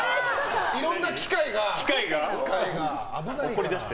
いろんな機械が怒り出して。